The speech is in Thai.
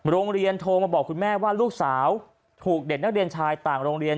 โรงเรียนโทรมาบอกคุณแม่ว่าลูกสาวถูกเด็กนักเรียนชายต่างโรงเรียน